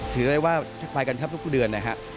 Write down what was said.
ถือได้ว่าไปกันครับทุกเดือนนะครับ